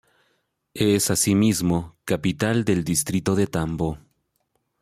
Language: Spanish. Es asimismo capital del distrito de Tambo.